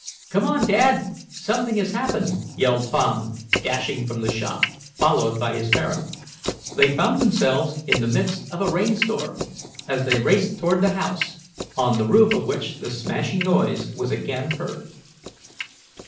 "Come on, Dad! Something has happened!" yelled Tom, dashing from the shop, followed by his parent. They found themselves in the midst of a rain storm, as they raced toward the house, on the roof of which the smashing noise was again heard.